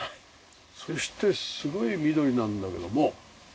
そしてすごい緑なんだけども奥にも。